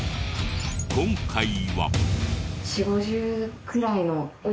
今回は。